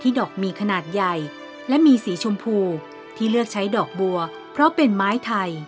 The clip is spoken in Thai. ดอกมีขนาดใหญ่และมีสีชมพูที่เลือกใช้ดอกบัวเพราะเป็นไม้ไทย